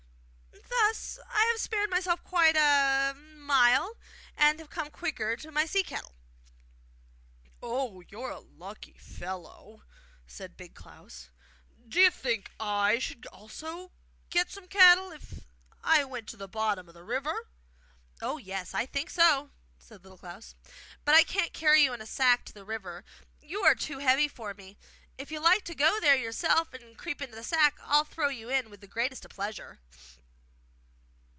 Thus I have spared myself quite half a mile, and have come much quicker to my sea cattle!' 'Oh, you're a lucky fellow!' said Big Klaus. 'Do you think I should also get some cattle if I went to the bottom of the river?' 'Oh, yes! I think so,' said Little Klaus. 'But I can't carry you in a sack to the river; you are too heavy for me! If you like to go there yourself and then creep into the sack, I will throw you in with the greatest of pleasure.